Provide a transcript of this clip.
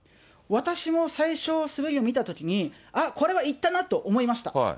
私も最初、滑りを見たときに、あっ、これはいったなと思いました。